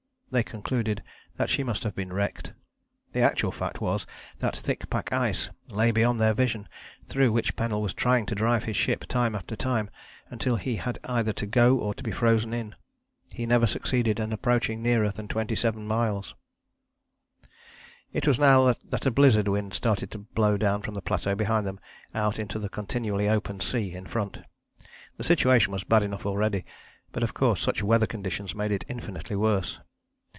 They concluded that she must have been wrecked. The actual fact was that thick pack ice lay beyond their vision through which Pennell was trying to drive his ship time after time, until he had either to go or to be frozen in. He never succeeded in approaching nearer than 27 miles. It was now that a blizzard wind started to blow down from the plateau behind them out into the continually open sea in front. The situation was bad enough already, but of course such weather conditions made it infinitely worse.